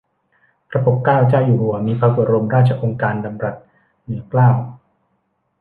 พระปกเกล้าเจ้าอยู่หัว มีพระบรมราชโองการดำรัสเหนือเกล้า